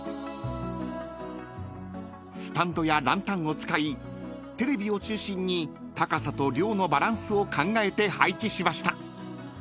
［スタンドやランタンを使いテレビを中心に高さと量のバランスを考えて配置しました］